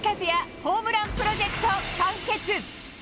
ホームランプロジェクト完結。